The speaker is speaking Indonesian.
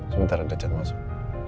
sebentar ada chat langsung